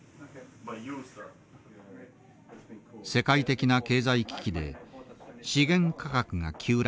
世界的な経済危機で資源価格が急落。